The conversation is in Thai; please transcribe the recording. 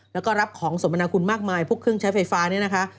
แล้วก็รับของสมนาคุณมากมายพวกเครื่องใช้ไฟฟ้าเนี่ยนะคะ